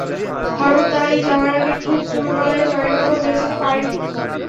হারুন তাই যাওয়ার আগে খুব জোর গলায় জয়ের কথা বলে যেতে পারেননি।